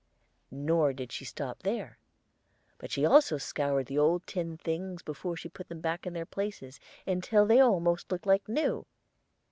Nor did she stop there, but also scoured the old tin things before she put them back in their places, until they almost looked like new.